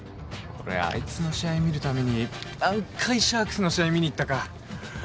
俺あいつの試合見るために何回シャークスの試合見に行ったか。